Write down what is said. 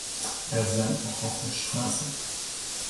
Er sang auch auf der Straße.